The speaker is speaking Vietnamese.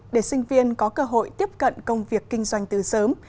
để sinh viên có cơ hội tiếp cận công việc kinh doanh từ sớm